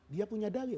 dia punya dalil